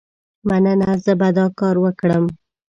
مننه، زه به دا کار وکړم.